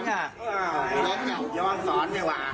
อ้าวย้อนสอนด้วยหว่า